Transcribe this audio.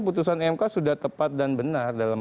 putusan mk sudah tepat dan benar dalam